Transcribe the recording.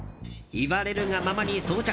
言われるがままに装着。